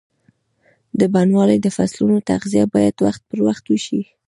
د بڼوالۍ د فصلونو تغذیه باید وخت پر وخت وشي.